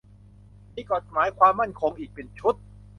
มีกฎหมายความมั่นคงอีกเป็นชุด